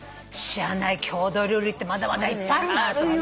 知らない郷土料理ってまだまだいっぱいあるんだと思って。